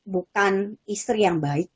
bukan istri yang baik